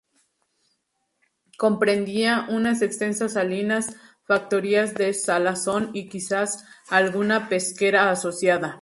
Comprendía unas extensas salinas, factorías de salazón y quizás alguna pesquera asociada.